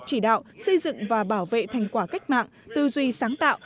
chỉ đạo xây dựng và bảo vệ thành quả cách mạng tư duy sáng tạo